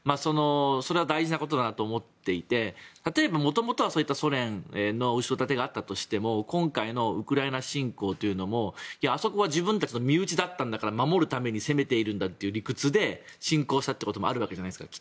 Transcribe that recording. それは大事なことだなと思っていて例えば元々はソ連の後ろ盾があったとしても今回のウクライナ侵攻もあそこは自分たちの身内だったんだから守るために攻めているんだという理屈で侵攻したということもあるじゃないですか。